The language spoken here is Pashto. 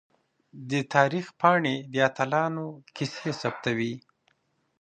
د تاریخ پاڼې د اتلانو کیسې ثبتوي.